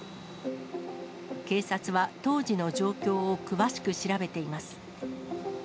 警察は当時の状況を詳しく調べています。